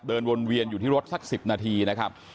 เดินวนเวียนอยู่ที่รถสัก๑๐นาทีนะครับ